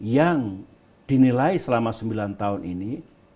yang dinilai selama sembilan tahun ini